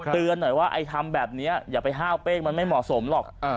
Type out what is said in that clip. หน่อยว่าไอ้ทำแบบนี้อย่าไปห้าวเป้งมันไม่เหมาะสมหรอก